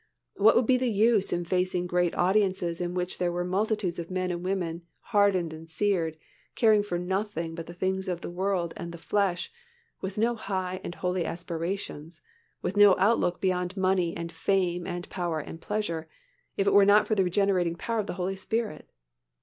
What would be the use in facing great audiences in which there were multitudes of men and women hardened and seared, caring for nothing but the things of the world and the flesh, with no high and holy aspirations, with no outlook beyond money and fame and power and pleasure, if it were not for the regenerating power of the Holy Spirit?